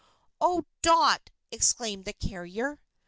"Oh, Dot!" exclaimed the carrier.